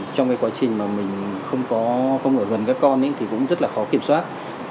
trong quá trình mình không ở gần các con thì cũng rất khó kiểm soát